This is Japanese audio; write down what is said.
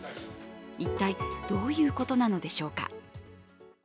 一体、どういうことなのでしょうか